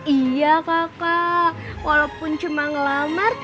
iya kakak walaupun cuma ngelamar